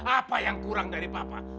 apa yang kurang dari papa